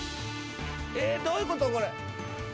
えっ？どういうこと？